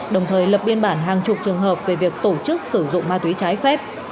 đồng thời lập biên bản hàng chục trường hợp về việc tổ chức sử dụng ma túy trái phép